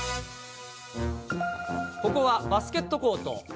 ここはバスケットコート。